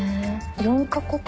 ４カ国語？